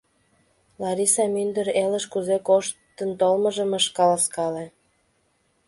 Лариса мӱндыр элыш кузе коштын толмыжым ыш каласкале.